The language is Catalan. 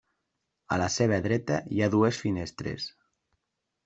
A la seva dreta hi ha dues finestres.